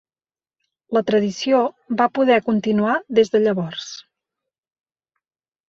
La tradició va poder continuar des de llavors.